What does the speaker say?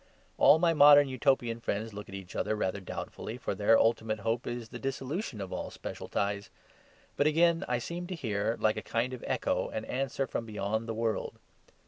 All my modern Utopian friends look at each other rather doubtfully, for their ultimate hope is the dissolution of all special ties. But again I seem to hear, like a kind of echo, an answer from beyond the world.